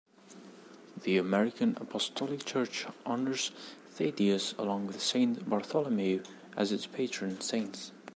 The Armenian Apostolic Church honors Thaddeus along with Saint Bartholomew as its patron saints.